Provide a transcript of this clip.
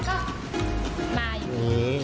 สวัสดีครับมาเจอกับแฟแล้วนะครับ